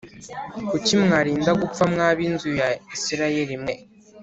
Kuki mwarinda gupfa mwa b inzu ya Isirayeli mwe